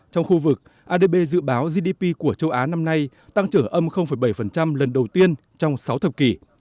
trong khu vực adb dự báo gdp của châu á năm nay tăng trưởng bảy lần đầu tiên trong sáu thập kỷ